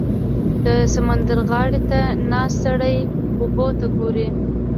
• د سمندر غاړې ته ناست سړی اوبو ته ګوري.